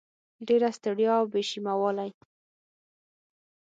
ډېره ستړیا او بې شیمه والی